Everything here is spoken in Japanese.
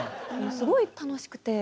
すごい楽しくて。